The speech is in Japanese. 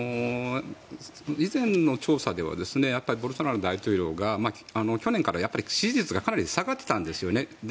以前の調査ではボルソナロ大統領が去年から去年から支持率が結構下がっていたんですよね。